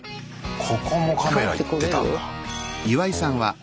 ここもカメラ行ってたんだ。え！